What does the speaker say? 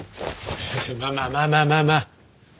まあまあまあまあまあまあ。